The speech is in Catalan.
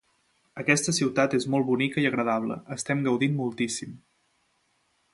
Aquesta ciutat és molt bonica i agradable, estem gaudint moltíssim!